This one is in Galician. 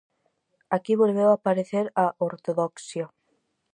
Aquí volveu aparecer a ortodoxia.